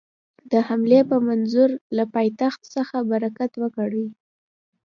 د حملې په منظور له پایتخت څخه حرکت وکړي.